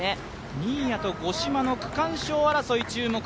新谷と五島の区間賞争いに注目。